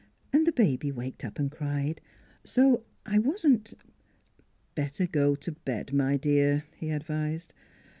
" And the baby waked up and cried. So I wasn't "" Better go to bed, my dear," he advised.